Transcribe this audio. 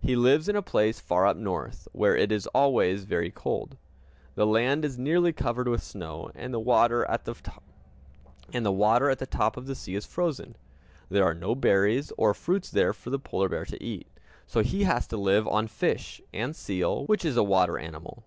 He lives in a place far up North, where it is always very cold. The land is nearly covered with snow, and the water at the top of the sea is frozen. There are no berries or fruits there for the polar bear to eat; so he has to live on fish, and seal, which is a water animal.